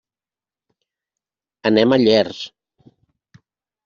Anem a Llers.